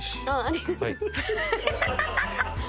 ありがとう。